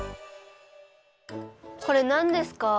これなんですか？